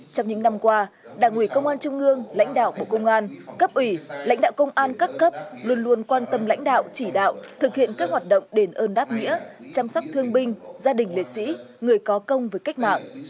trong những năm qua đảng ủy công an trung ương lãnh đạo bộ công an cấp ủy lãnh đạo công an các cấp luôn luôn quan tâm lãnh đạo chỉ đạo thực hiện các hoạt động đền ơn đáp nghĩa chăm sóc thương binh gia đình liệt sĩ người có công với cách mạng